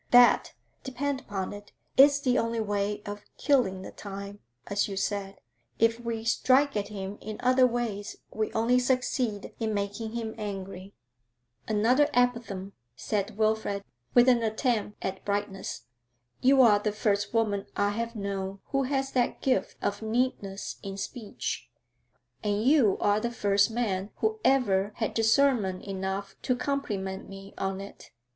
That, depend upon it, is the only way of killing the time, as you said; if we strike at him in other ways we only succeed in making him angry.' 'Another apophthegm,' said Wilfrid, with an attempt at brightness. 'You are the first woman I have known who has that gift of neatness in speech.' 'And you are the first man who ever had discernment enough to compliment me on it.